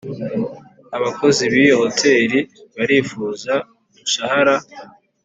Abakozi b’iyo hotel barifuza umushahara